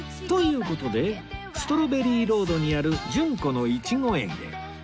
という事でストロベリーロードにある順子のいちご園へ